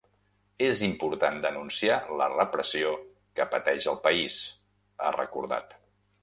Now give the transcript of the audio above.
És important denunciar la repressió que pateix el país, ha recordat.